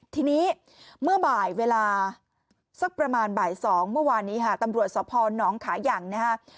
ทีนี้เมื่อบ่ายเวลาสักประมาณบ่าย๒เมื่อวานนี้ค่ะตำรวจสพนขายังนะฮะ